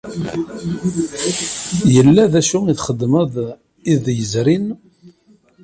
Yella d acu i txedmeḍ iḍ yezrin?